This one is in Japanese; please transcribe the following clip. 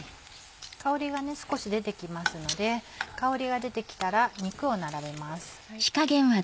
香りが少し出てきますので香りが出てきたら肉を並べます。